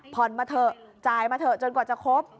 มาเถอะจ่ายมาเถอะจนกว่าจะครบ